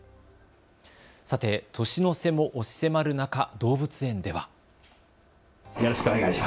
年の瀬も押し迫る中、動物園では。